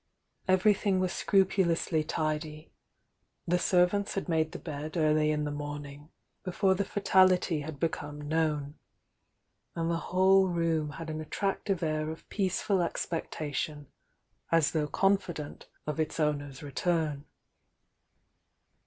Everything was scrupu lously tidy; the servants had made the bed early in the morning, before the fatality had become known, and the whole room had an attractive air of peace ful expectation as though confident of its owner's return.